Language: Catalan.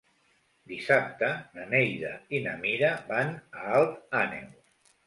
Dissabte na Neida i na Mira van a Alt Àneu.